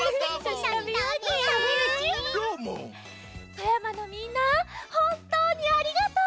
富山のみんなほんとうにありがとう！